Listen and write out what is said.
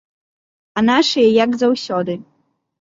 А нашыя як заўсёды.